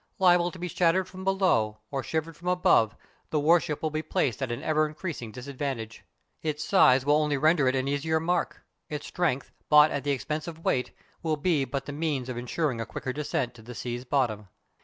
Liable to be shattered from below, or shivered from above, the warship will be placed at an ever increasing disadvantage. Its size will only render it an easier mark; its strength, bought at the expense of weight, will be but the means of insuring a quicker descent to the sea's bottom.